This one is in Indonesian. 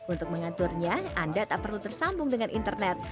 untuk mengaturnya anda tak perlu tersambung dengan internet